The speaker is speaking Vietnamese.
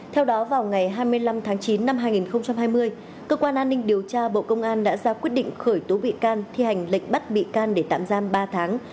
theo đó vào ngày hai mươi năm tháng chín năm hai nghìn hai mươi cơ quan an ninh điều tra bộ công an đã ra quyết định khởi tố bị can thi hành lệnh bắt bị can để tạm giam ba tháng